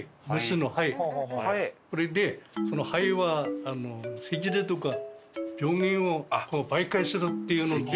それでハエは赤痢とか病原を媒介するっていうので。